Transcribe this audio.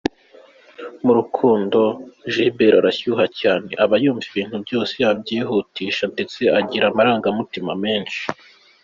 Mu rukundo, Gilbert arashyuha cyane, aba yumva ibintu byose yabihutisha ndetse agira amarangamutima menshi.